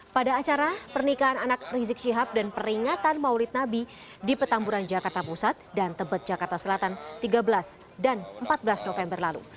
pada acara pernikahan anak rizik syihab dan peringatan maulid nabi di petamburan jakarta pusat dan tebet jakarta selatan tiga belas dan empat belas november lalu